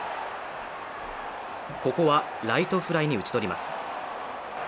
ここはライトフライに打ち取ります。